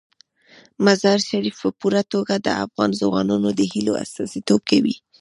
مزارشریف په پوره توګه د افغان ځوانانو د هیلو استازیتوب کوي.